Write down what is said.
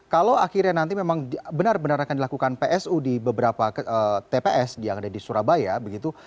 kalau akhirnya nanti memang benar benar akan dilakukan psu di beberapa tps yang ada di surabaya begitu